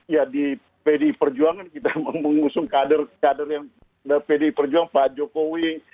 ya di pdi perjuangan kita mengusung kader kader yang pdi perjuangan pak jokowi